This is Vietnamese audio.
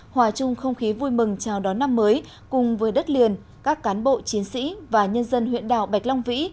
hòa chung không khí vui mừng chào đón năm mới cùng với đất liền các cán bộ chiến sĩ và nhân dân huyện đảo bạch long vĩ